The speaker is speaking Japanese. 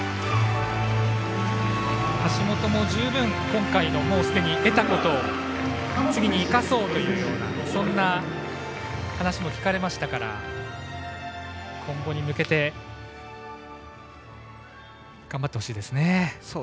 橋本も十分に今回、得たことを次に生かそうというような話も聞かれましたから、今後に向けて頑張ってほしいですね。